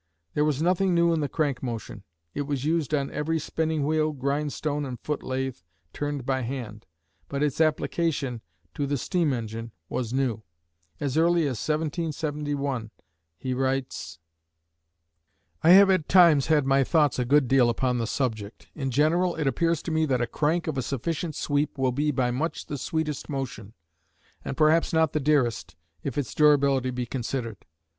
There was nothing new in the crank motion; it was used on every spinning wheel, grind stone and foot lathe turned by hand, but its application to the steam engine was new. As early as 1771, he writes: I have at times had my thoughts a good deal upon the subject. In general, it appears to me that a crank of a sufficient sweep will be by much the sweetest motion, and perhaps not the dearest, if its durability be considered